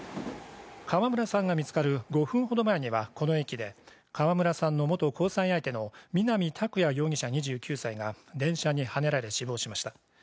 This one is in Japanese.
川村さんが見つかる５分ほど前には、この駅で川村さんの元交際相手の南拓哉容疑者２９歳が電車にはねられ死亡しました。